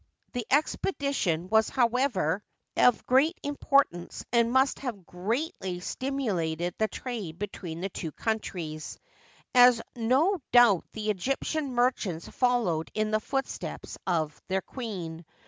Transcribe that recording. The expedition was, however, of g^eat importance, and must have greatly stimulated the trade between the two countries, as no doubt the Eg^tian merchants followed in the footsteps of their queen.